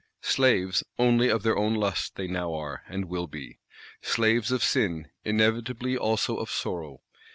Slaves only of their own lusts they now are, and will be. Slaves of sin; inevitably also of sorrow.